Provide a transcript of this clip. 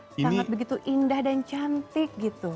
sangat begitu indah dan cantik gitu